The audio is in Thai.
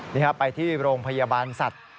นี่ครับไปที่โรงพยาบาลสัตว์